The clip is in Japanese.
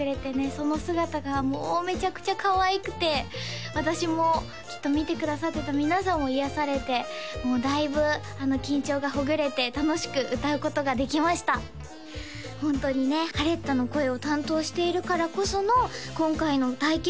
その姿がもうめちゃくちゃかわいくて私もきっと見てくださってた皆さんも癒やされてもうだいぶ緊張がほぐれて楽しく歌うことができましたホントにねハレッタの声を担当しているからこその今回の体験